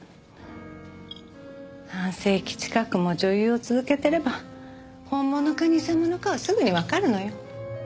半世紀近くも女優を続けていれば本物か偽物かはすぐにわかるのよ。